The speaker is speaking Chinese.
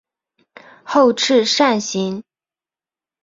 后翅扇形。